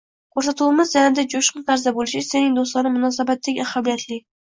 ko‘rsatuvimiz yanada jo‘shqin tarzda bo‘lishi sening do‘stona munosabating ahamiyatli.